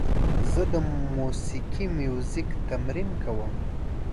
زه د موسیقۍ میوزیک تمرین کوم.